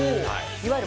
いわゆる